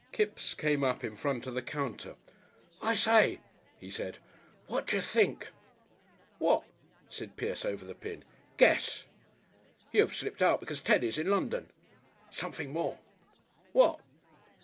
Kipps came up in front of the counter. "I say," he said; "what d'yer think?" "What?" said Pierce over the pin. "Guess." "You've slipped out because Teddy's in London." "Something more." "What?"